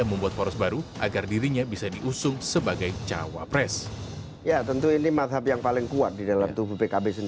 membuat poros baru agar dirinya bisa diusung sebagai cawapres